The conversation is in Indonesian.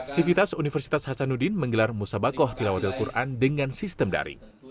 sivitas universitas hasanuddin menggelar musabakoh tilawatil quran dengan sistem dari